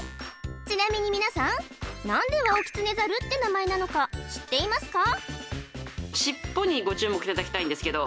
ちなみに皆さん何でワオキツネザルって名前なのか知っていますか？